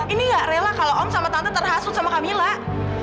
ini gak rela kalau om sama tante terhasut sama camilla